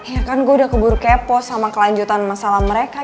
ya kan gue udah keburu kepo sama kelanjutan masalah mereka